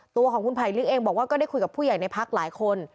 ตัวของคุณไผลลิกเองบอกว่าก็ได้คุยกับผู้ใหญ่ในพักหลายคน